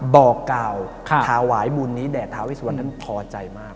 บอกกล่าวถวายบุญนี้แด่ทาเวสวรรค์นั้นพอใจมาก